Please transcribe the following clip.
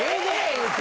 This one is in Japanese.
言うて。